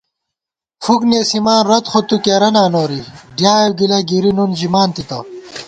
فُک نېسِمان رت خو تُو کېرہ نا نوری ڈیائېؤ گِلہ گِری نُن ژِمان تِتہ